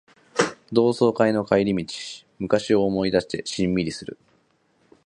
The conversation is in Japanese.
同窓会の帰り道、昔を思い返してしんみりする